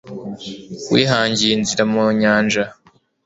Wihangiye inzira mu nyanja